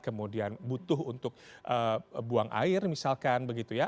kemudian butuh untuk buang air misalkan begitu ya